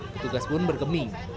petugas pun bergeming